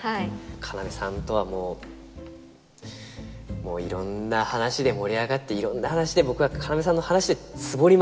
要さんとはもうもういろんな話で盛り上がっていろんな話で僕は要さんの話でツボりまくって。